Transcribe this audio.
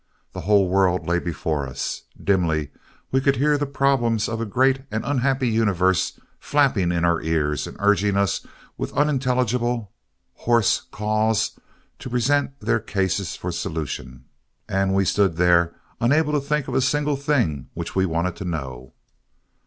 The whole world lay before us. Dimly we could hear the problems of a great and unhappy universe flapping in our ears and urging us with unintelligible, hoarse caws to present their cases for solution. And still we stood there unable to think of a single thing which we wanted to know.